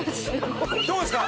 どこですか？